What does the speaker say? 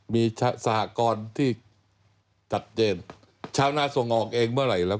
มีสหกรณ์ที่ชัดเจนชาวนาส่งออกเองเมื่อไหร่แล้ว